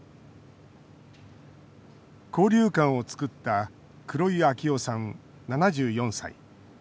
交流館を作った黒井秋夫さん、７４歳。